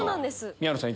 宮野さん